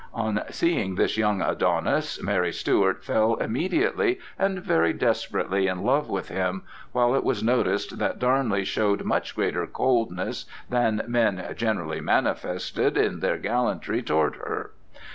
On seeing this young Adonis, Mary Stuart fell immediately and very desperately in love with him, while it was noticed that Darnley showed much greater coldness than men generally manifested in their gallantry toward her.